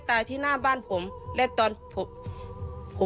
แม่จะมาเรียกร้องอะไร